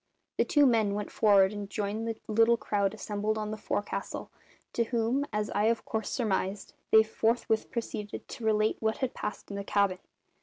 The two men went for'ard and joined the little crowd assembled on the forecastle, to whom, as I of course surmised, they forthwith proceeded to relate what had passed in the cabin.